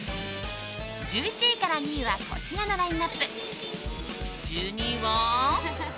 １１位から２位はこちらのラインアップ。